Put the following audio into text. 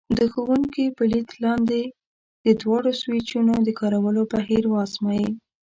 د ښوونکي په لید لاندې د دواړو سویچونو د کارولو بهیر وازمایئ.